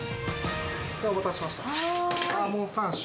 お待たせしました。